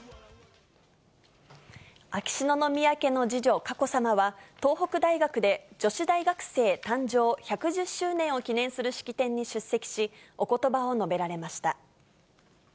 秋篠宮家の次女、佳子さまは、東北大学で、女子大学生誕生１１０周年を記念する式典に出席し、おことばを述べられました。